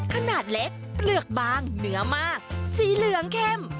ขนาดเล็กเปลือกบางเนื้อมากสีเหลืองเข้ม